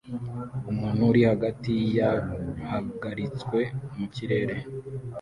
umuntu uri hagati yahagaritswe mukirere